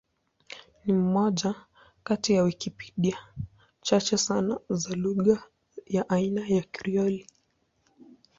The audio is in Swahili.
Ni moja kati ya Wikipedia chache sana za lugha ya aina ya Krioli.